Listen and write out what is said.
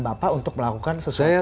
bapak untuk melakukan sesuatu yang